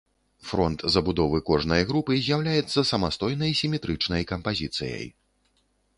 Фронт забудовы кожнай групы з'яўляецца самастойнай сіметрычнай кампазіцыяй.